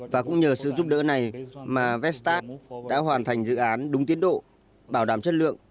và cũng nhờ sự giúp đỡ này mà vestap đã hoàn thành dự án đúng tiến độ bảo đảm chất lượng